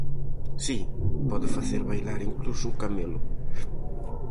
"Si, pode facer bailar incluso un camelo".